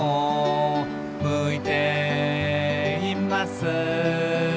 「向いています」